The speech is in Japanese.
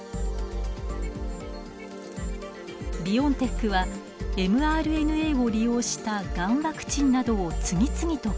ビオンテックはｍＲＮＡを利用したがんワクチンなどを次々と開発。